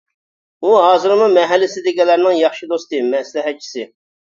ئۇ ھازىرمۇ مەھەللىسىدىكىلەرنىڭ ياخشى دوستى، مەسلىھەتچىسى.